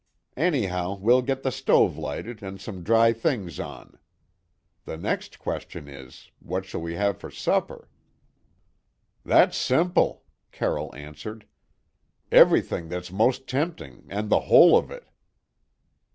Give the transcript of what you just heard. "Anyhow, we'll get the stove lighted and some dry things on. The next question is what shall we have for supper?" "That's simple," Carroll answered. "Everything that's most tempting and the whole of it."